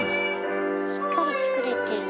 しっかり作れてる。